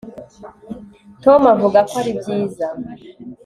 tom avuga ko ari byiza